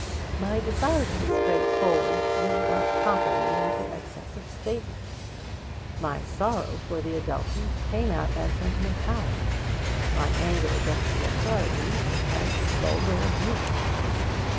My desire to be straightforward did but topple me into excess of statement. My sorrow for the Adelphi came out as sentimentality, my anger against the authorities as vulgar abuse.